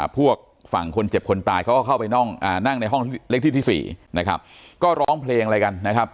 พวกฝั่งคนเจ็บคนตายเขาก็เข้าไปนั่งในห้องเลขที่ที่๔นะครับก็ร้องเพลงอะไรกันนะครับ